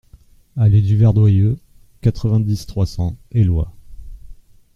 Allée du Verdoyeux, quatre-vingt-dix, trois cents Éloie